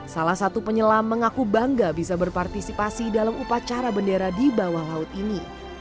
salah satu penyelam mengaku bangga bisa berpartisipasi dalam upacara bendera di bawah laut ini